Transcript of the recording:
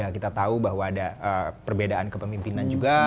kita tahu bahwa ada perbedaan kepemimpinan juga